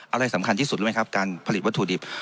อะไรสำคัญที่สุดรู้ไหมครับการผลิตวัตถุดิบ